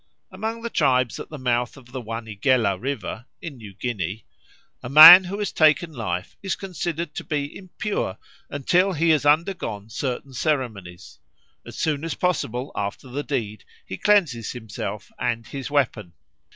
Among the tribes at the mouth of the Wanigela River, in New Guinea, "a man who has taken life is considered to be impure until he has undergone certain ceremonies: as soon as possible after the deed he cleanses himself and his weapon.